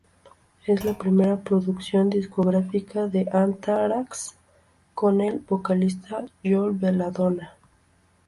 Es la primera producción discográfica de Anthrax con el vocalista Joey Belladonna.